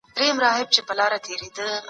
به ازانګه کوي